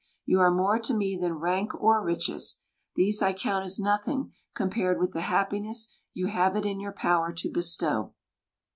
"You are more to me than rank or riches. These I count as nothing, compared with the happiness you have it in your power to bestow."